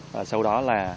và sau đó là